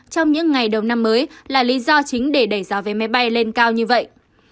trong những ngày đầu năm mới là lý do chính để đẩy giá vé máy bay lên cao như vậy